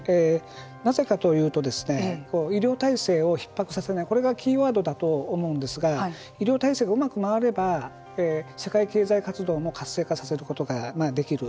なぜかというと医療体制をひっ迫させないこれがキーワードだと思うんですが医療体制がうまく回れば社会経済活動も活性化させることができる。